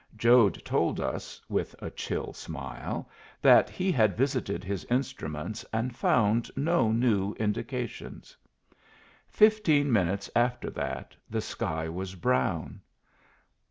Jode told us, with a chill smile, that he had visited his instruments and found no new indications. Fifteen minutes after that the sky was brown.